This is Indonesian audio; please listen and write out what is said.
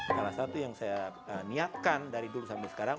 salah satu yang saya niatkan dari dulu sampai sekarang